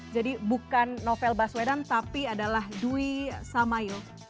jadi bukan novel baswedan tapi adalah dwi samayo